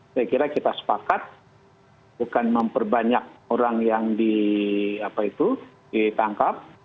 saya kira kita sepakat bukan memperbanyak orang yang di apa itu ditangkap